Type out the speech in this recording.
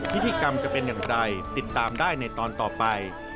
พิธีกรรมจะเป็นอย่างไรติดตามได้ในตอนต่อไป